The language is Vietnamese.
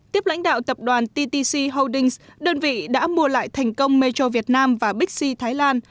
tiếp lãnh đạo tập đoàn ttc holdings đơn vị đã mua lại thành công metro việt nam và bixi thái lan